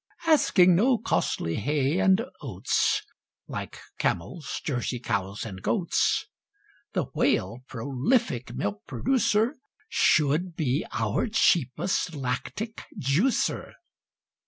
Asking no costly hay and oats, Like camels, Jersey cows, and goats, The Whale, prolific milk producer, Should be our cheapest lactic juicer.